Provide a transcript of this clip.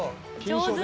「上手。